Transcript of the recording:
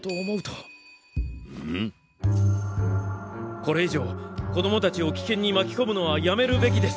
これ以上子供たちを危険に巻きこむのはやめるべきです。